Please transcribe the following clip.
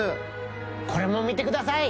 これも見てください。